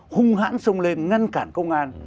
hung hãn sông lên ngăn cản công an